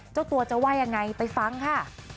เจ้าตัวจะว่ายังไงไปฟังค่ะ